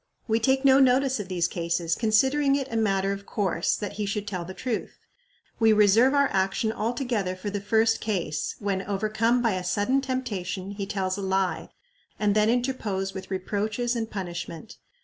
We take no notice of these cases, considering it a matter of course that he should tell the truth. We reserve our action altogether for the first case when, overcome by a sudden temptation, he tells a lie, and then interpose with reproaches and punishment.